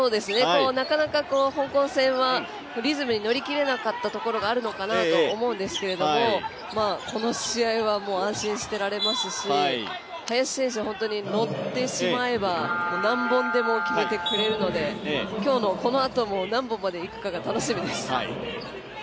なかなか香港戦はリズムに乗りきれなかったところがあったと思うんですけどこの試合は安心してられますし林選手は本当に乗ってしまえば何本でも決めてくれるので今日の、このあとも何本までいくか楽しみです。